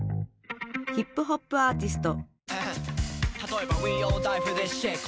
ヒップホップアーティスト。